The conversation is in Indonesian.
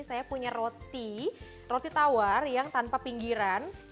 saya punya roti roti tawar yang tanpa pinggiran